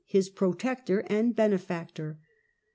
his " protector and benefactor."